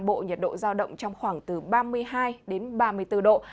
nam bộ nhiệt độ giao động trong khoảng từ ba mươi hai đến ba mươi bốn độ